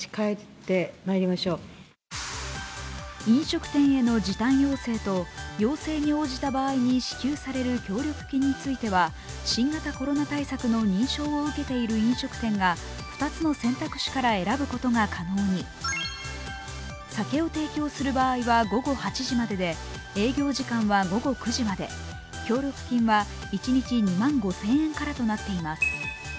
飲食店への時短要請と要請に応じた場合に支給される協力金については新型コロナ対策の認証を受けている飲食店が２つの選択肢から選ぶことが可能に酒を提供する場合は午後８時までで営業時間は午後９時まで協力金は一日２万５０００円からとなっています。